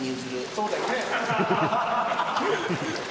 そうだよね。